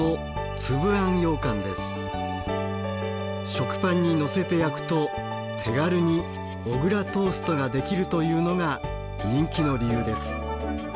食パンにのせて焼くと手軽に小倉トーストができるというのが人気の理由です。